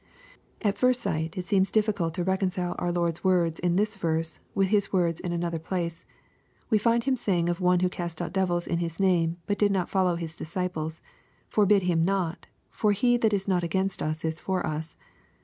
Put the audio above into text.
At first sight, it seems difficult to reconcile our Lord's words lu this verse with His words in another place. We find Him saykig of one who cast out devils in His name, but did not follow His disciples, " Forbid him not ; for he that is not against us, is for us."